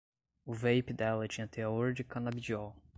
O vape dela tinha teor de canabidiol